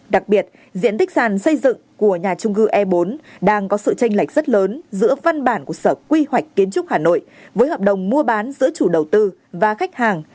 đặc biệt diện tích sàn xây dựng của nhà trung cư e bốn đang có sự tranh lệch rất lớn giữa văn bản của sở quy hoạch kiến trúc hà nội với hợp đồng mua bán giữa chủ đầu tư và khách hàng